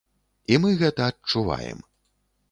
І мы гэта адчуваем.